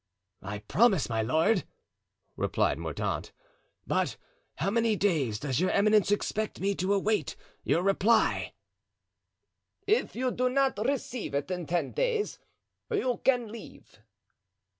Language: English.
"I promise, my lord," replied Mordaunt; "but how many days does your eminence expect me to await your reply?" "If you do not receive it in ten days you can leave."